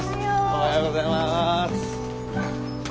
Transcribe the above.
おはようございます。